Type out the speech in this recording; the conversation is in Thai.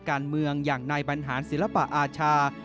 การเมืองอย่างนายบรรหารศิลปะอาชา